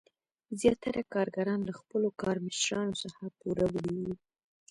زیاتره کارګران له خپلو کارمشرانو څخه پوروړي وو.